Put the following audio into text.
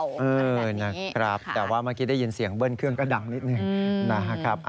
เออนะครับแต่ว่าเมื่อกี้ได้ยินเสียงเบิ้ลเครื่องก็ดังนิดหนึ่งนะครับ